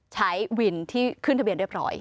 ใช้วินที่ขึ้นทะเบียนเรียบร้อย